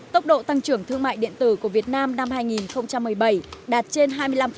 tốc độ tăng trưởng thương mại điện tử của việt nam năm hai nghìn một mươi bảy đạt trên hai mươi năm